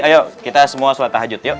ayo kita semua selatah hajut yuk